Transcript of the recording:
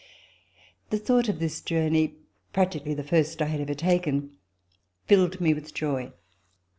The thought of this journey, practically the first I had ever taken, filled me with joy.